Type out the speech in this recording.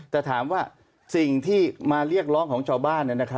แต่ถามว่าสิ่งที่มาเรียกร้องของชาวบ้าน